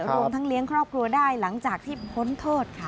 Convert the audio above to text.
รวมทั้งเลี้ยงครอบครัวได้หลังจากที่พ้นโทษค่ะ